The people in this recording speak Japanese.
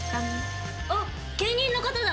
あっ芸人の方だ。